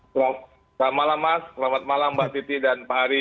selamat malam mas selamat malam mbak titi dan pak ari